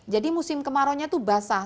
jadi musim kemarau nya itu basah